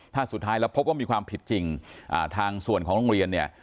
ถ้าสุดท้ายแล้วพบว่ามีความผิดจริงทางส่วนของโรงเรียนเนี่ย